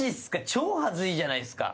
超恥ずいじゃないっすか。